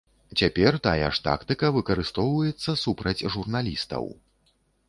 Цяпер тая ж тактыка выкарыстоўваецца супраць журналістаў.